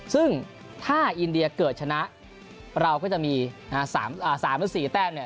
ซึ่งถ้าอินเดียเกิดชนะเราก็จะมี๓๔แต้มเนี่ย